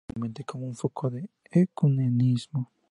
Es reconocida mundialmente como un foco de ecumenismo.